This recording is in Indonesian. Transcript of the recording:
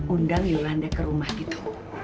undang yolanda ke rumah gitu